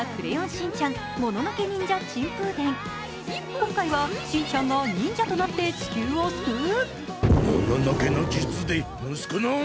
今回はしんちゃんが忍者となって地球を救う？